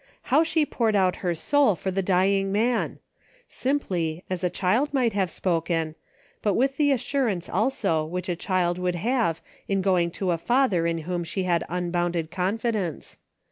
How she poured out her soul for the dying man ! Simply, as a child might have spoken, but with the assurance also which a child would have in going to a father in whom she had unbounded confidence.